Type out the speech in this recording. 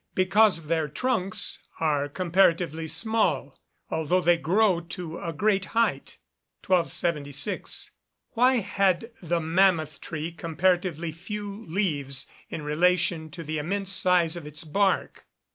_ Because their trunks are comparatively small, although they grow to a great height. 1276. _Why had the mammoth tree comparatively few leaves in relation to the immense size of its bark?